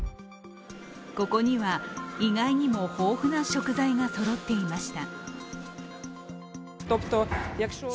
ここには意外にも豊富な食材がそろっていました。